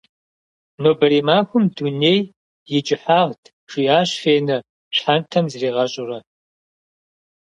«Нобэрей махуэм дуней и кӏыхьагът», жиӏащ Фенэ щхьэнтэм зригъэщӏурэ.